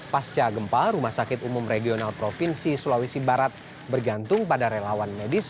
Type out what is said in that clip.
pasca gempa rumah sakit umum regional provinsi sulawesi barat bergantung pada relawan medis